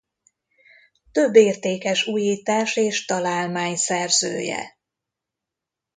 Több értékes újítás és találmány szerzője.